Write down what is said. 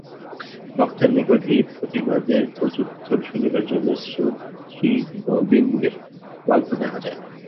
বক্তার নিকট এই প্রতিবাদের প্রত্যুত্তর শুনিবার জন্য শ্রোতৃবৃন্দের খুব আগ্রহ দেখা যায়।